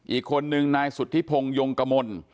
อีกคนนึงนายสุธิพงศ์ยงกมล